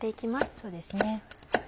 そうですね。